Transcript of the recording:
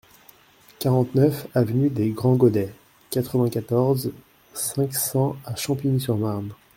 quarante-neuf avenue des Grands Godets, quatre-vingt-quatorze, cinq cents à Champigny-sur-Marne